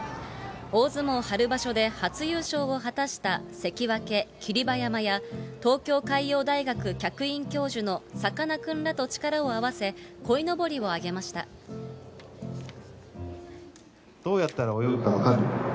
大相撲春場所で初優勝を果たした関脇・霧馬山や、東京海洋大学客員教授のさかなクンらと力を合わせ、こいのぼりをどうやったら泳ぐか分かる？